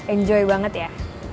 enjoy banget ya